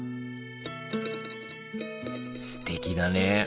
すてきだね。